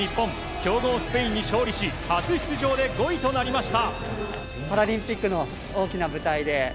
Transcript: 強豪スペインに勝利し初出場で５位となりました。